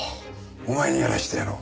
お前にやらせてやろう。